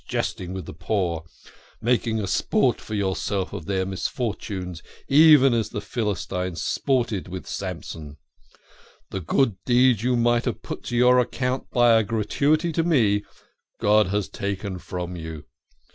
jesting with the poor making a sport for yourself of their misfortunes, even as the Philistines sported with Samson. The good deed you might have put to your account by a gratuity to me, God has taken from you.